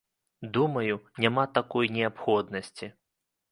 Думаю, няма такой неабходнасці.